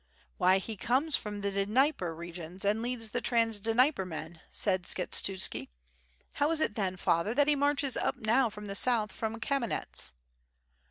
*'Why, he comes from the Dnieper regions and leads the Trans Dnieper men," said Skshetuski, "how is it then, father, that he marches up now from the south from Kamenets?"